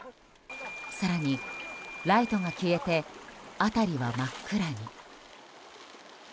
更にライトが消えて辺りは真っ暗に。